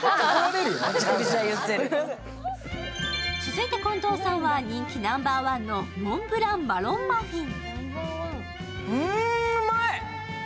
続いて近藤さんは、人気ナンバーワンのモンブランマロンマフィン。